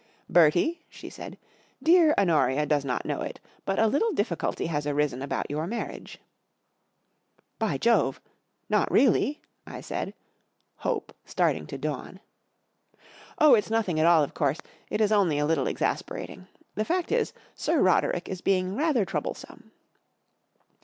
11 Bertie," she said, " dear Honoria does not know it, but a little difficulty has arisen about your marriage, ",+ By Joyc I not really ?" I said, hope starting to dawn. " Oh, it's nothing at all, of course. It is only a little exasperating, The fact is, Sir Roderick is being rather troublesome."